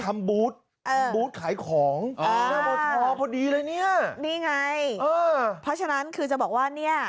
ทำบูธบูธขายของพอดีเลยเนี่ยนี่ไงเพราะฉะนั้นคือจะบอกว่าเนี่ย